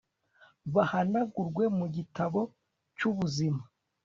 bahanagurwe mu gitabo cy'ubuzima